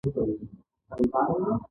علاوالدین هم د جلال الدین پسې پاچاهي وکړه.